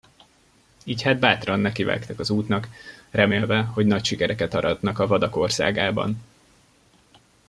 Így hát bátran nekivágtak az útnak, remélve, hogy nagy sikereket aratnak a vadak országában.